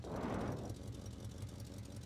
Es una cantante de J-Pop en el Hello!